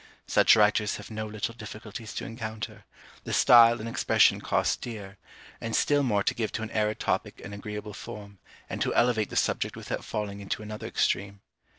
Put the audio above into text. Such writers have no little difficulties to encounter: the style and expression cost dear; and still more to give to an arid topic an agreeable form, and to elevate the subject without falling into another extreme.